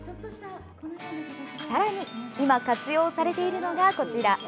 さらに今活用されているのがこちら。